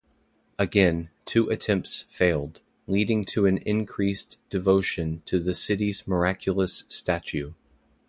Again, two attempts failed, leading to an increased devotion to the city's miraculous statue.